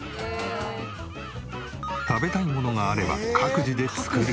食べたいものがあれば各自で作る。